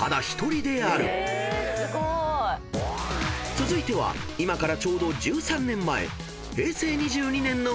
［続いては今からちょうど１３年前］